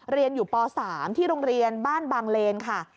เรียนอยู่ป๓ที่โรงเรียนบ้านบางเลนค่ะ